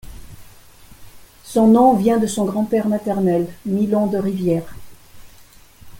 Son nom vient de son grand-père maternel, Milon de Rivière.